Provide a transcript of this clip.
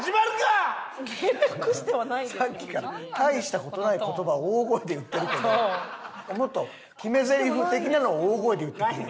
さっきから大した事ない言葉を大声で言ってるけどもっと決めゼリフ的なのを大声で言ってくれよ。